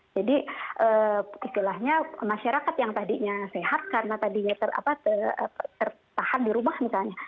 jadi masyarakat yang tadinya sehat karena tadinya tertahan di rumah misalnya